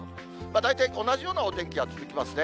大体同じようなお天気が続きますね。